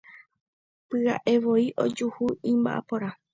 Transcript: Pya'evoi ojuhu imba'aporã.